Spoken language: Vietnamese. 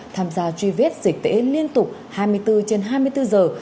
tham gia truy vết dịch tễ liên tục hai mươi bốn trên hai mươi bốn giờ